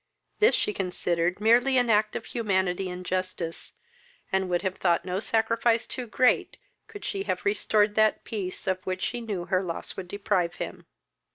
This she considered merely as an act of humanity and justice, and would have thought no sacrifice too great, could she have restored that peace of which she knew her loss would deprive him.